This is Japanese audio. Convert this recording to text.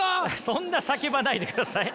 そんな叫ばないでください。